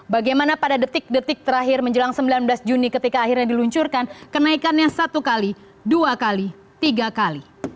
bagaimana pada detik detik terakhir menjelang sembilan belas juni ketika akhirnya diluncurkan kenaikannya satu kali dua kali tiga kali